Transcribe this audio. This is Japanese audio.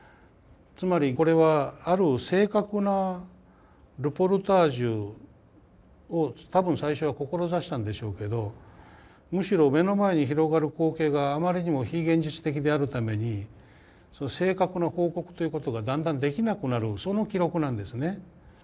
つまりこれはある正確なルポルタージュを多分最初は志したんでしょうけどむしろ目の前に広がる光景があまりにも非現実的であるために正確な報告ということがだんだんできなくなるその記録なんですね。